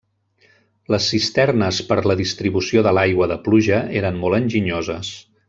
Les cisternes per la distribució de l'aigua de pluja eren molt enginyoses.